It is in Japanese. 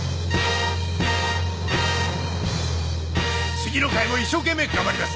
次の回も一生懸命頑張ります。